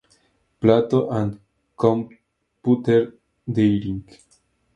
Plato and Computer Dating.